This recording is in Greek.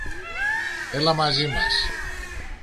Έλα μαζί μας.